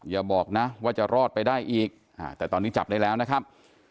อย่าบอกนะว่าจะรอดไปได้อีกแต่ตอนนี้จับได้แล้วนะครับ